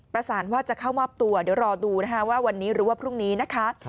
ว่าจะเข้ามอบตัวเดี๋ยวรอดูนะคะว่าวันนี้หรือว่าพรุ่งนี้นะคะ